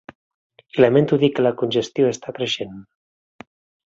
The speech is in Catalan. I lamento dir que la congestió està creixent.